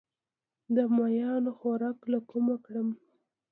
د ماهیانو خوراک له کومه کړم؟